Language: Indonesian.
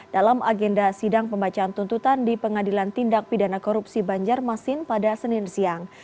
dalam agenda sidang pembacaan tuntutan di pengadilan tindak pidana korupsi banjarmasin pada senin siang